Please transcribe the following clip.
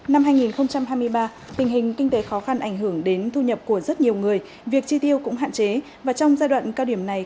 năm hai nghìn hai mươi ba tình hình kinh tế khó khăn ảnh hưởng đến thu nhập của rất nhiều người việc chi tiêu cũng hạn chế và trong giai đoạn cao điểm này